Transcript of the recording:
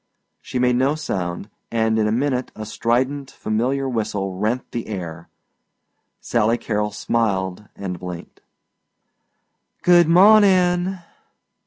See made no sound and in a minute a strident familiar whistle rent the air. Sally Carrol smiled and blinked. "Good mawnin'."